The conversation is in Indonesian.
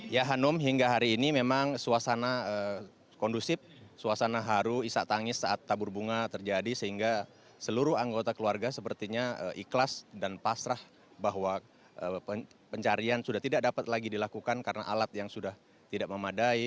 ya hanum hingga hari ini memang suasana kondusif suasana haru isak tangis saat tabur bunga terjadi sehingga seluruh anggota keluarga sepertinya ikhlas dan pasrah bahwa pencarian sudah tidak dapat lagi dilakukan karena alat yang sudah tidak memadai